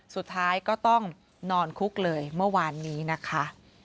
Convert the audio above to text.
สุดท้ายก็ต้องนอนคุกเลยเมื่อวานนี้นะคะ